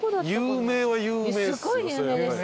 有名は有名っすよ。